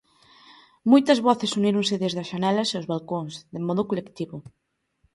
Moitas voces uníronse desde as xanelas e os balcóns, de modo colectivo.